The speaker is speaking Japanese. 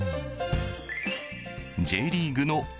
ＪリーグのＳＣ